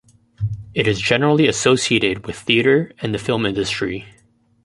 It is generally associated with theatre and the film industry.